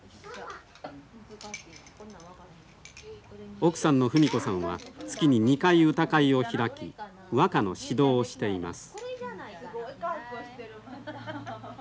奥さんの布美子さんは月に２回歌会を開き和歌の指導をしています。